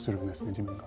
自分が。